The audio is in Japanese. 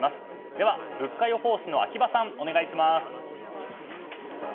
では、物価予報士の秋葉さんお願いします！